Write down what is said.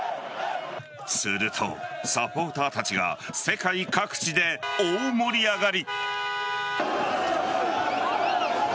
すると、サポーターたちが世界各地で大盛り上がり。